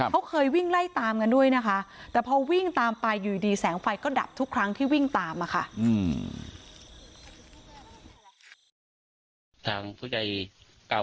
เขาเคยวิ่งไล่ตามกันด้วยนะคะแต่พอวิ่งตามไปอยู่ดีแสงไฟก็ดับทุกครั้งที่วิ่งตามมาค่ะ